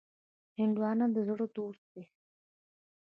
هندوانه د زړه دوست دی.